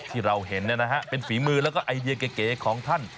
ที่เราเห็นเป็นฝีมือแล้วก็ไอเดียเก๋ของท่าน